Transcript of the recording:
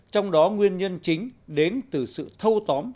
trong đó nguyên nhân chính đến từ sự thâu tóm